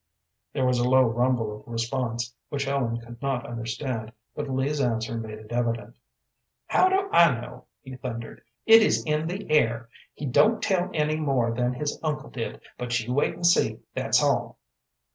There was a low rumble of response, which Ellen could not understand, but Lee's answer made it evident. "How do I know?" he thundered. "It is in the air. He don't tell any more than his uncle did; but you wait and see, that's all."